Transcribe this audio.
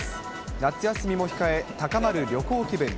夏休みも控え、高まる旅行気分。